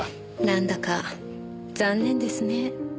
なんだか残念ですね。